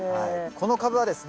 このカブはですね